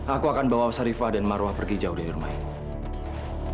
aku akan bawa sharifah dan marwah pergi jauh dari rumah ini